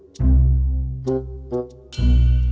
nanti kita berjalan ke sana